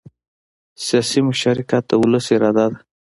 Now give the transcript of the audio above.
سیاسي مشارکت د ولس اراده ده